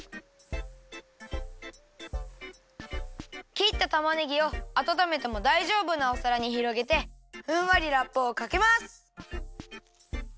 きったたまねぎをあたためてもだいじょうぶなおさらにひろげてふんわりラップをかけます。